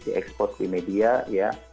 diekspor di media ya